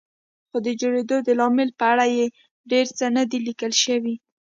خو د جوړېدو د لامل په اړه یې ډېر څه نه دي لیکل شوي.